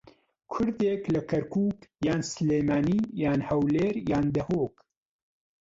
کوردێک لە کەرکووک یان سلێمانی یان هەولێر یان دهۆک